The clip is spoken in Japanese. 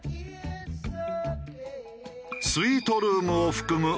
スイートルームを含む